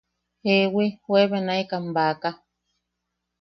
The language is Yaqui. –Jewi, juebenaekan baaka.